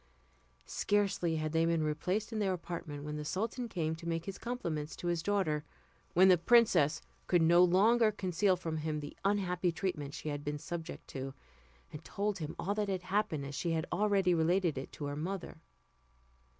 Scarcely had they been replaced in their apartment, when the sultan came to make his compliments to his daughter, when the princess could no longer conceal from him the unhappy treatment she had been subject to, and told him all that had happened as she had already related it to her mother.